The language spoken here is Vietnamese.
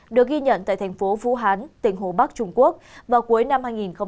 được ghi nhận tại thành phố vũ hán tỉnh hồ bắc trung quốc vào cuối năm hai nghìn một mươi chín